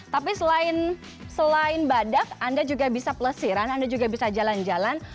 tapi selain badak anda juga bisa pelesiran anda juga bisa jalan jalan